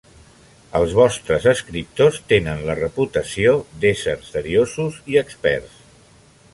Els vostres escriptors tenen la reputació d'ésser seriosos i experts.